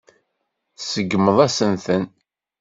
Tseggmeḍ-asen-ten.